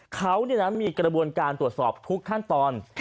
เขามีกระบวนการตรวจสอบทุกขั้นตอน